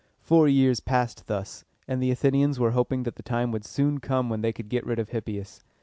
Four years passed thus, and the Athenians were hoping that the time would soon come when they could get rid of Hippias.